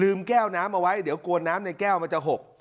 แก้วน้ำเอาไว้เดี๋ยวกลัวน้ำในแก้วมันจะหก